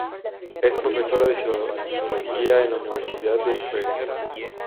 Es profesora de Sociología en la Universidad de Bergen.